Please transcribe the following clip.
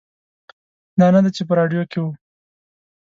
دا نه دی چې په راډیو کې و.